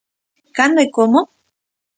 Cando e como?